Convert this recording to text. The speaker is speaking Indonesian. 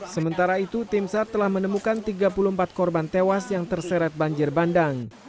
sementara itu tim sar telah menemukan tiga puluh empat korban tewas yang terseret banjir bandang